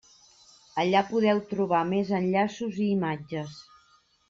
Allà podeu trobar més enllaços i imatges.